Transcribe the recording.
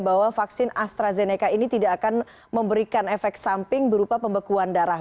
bahwa vaksin astrazeneca ini tidak akan memberikan efek samping berupa pembekuan darah